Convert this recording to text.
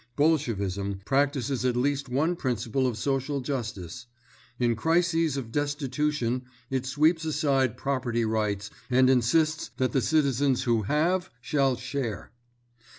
Bolshevism practises at least one principle of social justice: in crises of destitution it sweeps aside property rights and insists that the citizens who have shall share.